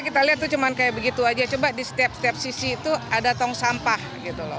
kita lihat itu cuma kayak begitu aja coba di setiap sisi itu ada tong sampah gitu loh